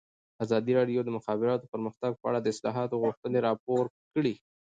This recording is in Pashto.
ازادي راډیو د د مخابراتو پرمختګ په اړه د اصلاحاتو غوښتنې راپور کړې.